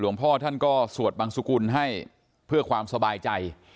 ลองต้อครั้งก็สวดบางสับคุณให้เพื่อความสบายใจ